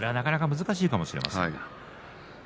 難しいかもしれませんけれども。